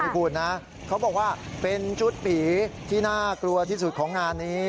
คุณนะเขาบอกว่าเป็นชุดผีที่น่ากลัวที่สุดของงานนี้